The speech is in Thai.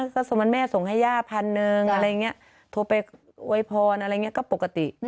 ก็ส่งวันแม่ส่งให้ย่าพันหนึ่งอะไรอย่างนี้โทรไปโวยพรอะไรอย่างนี้ก็ปกติ